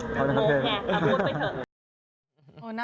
โง่แหงเอาพูดไปเถอะ